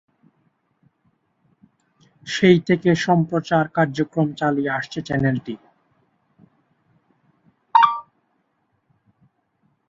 সেই থেকে সম্প্রচার কার্যক্রম চালিয়ে আসছে চ্যানেলটি।